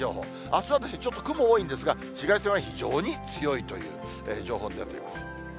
あすはちょっと雲多いんですが、紫外線は非常に強いという情報が出ています。